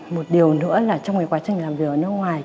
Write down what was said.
một điều nữa là trong cái quá trình làm việc ở nước ngoài